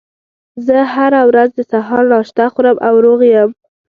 زه هره ورځ د سهار ناشته خورم او روغ یم